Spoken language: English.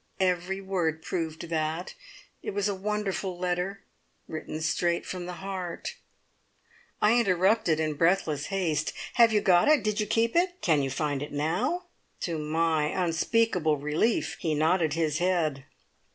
Every word proved that. It was a wonderful letter, written straight from the heart " I interrupted in breathless haste: "Have you got it? Did you keep it? Can you find it now?" To my unspeakable relief he nodded his head.